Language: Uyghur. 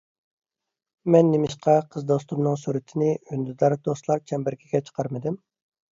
مەن نېمىشقا قىز دوستۇمنىڭ سۈرىتىنى ئۈندىدار دوستلار چەمبىرىكىگە چىقارمىدىم؟